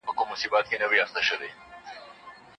کمپيوټر بريد بندوي.